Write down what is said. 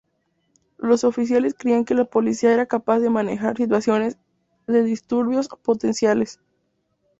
Los oficiales creían que la policía era capaz de manejar situaciones de disturbios potenciales.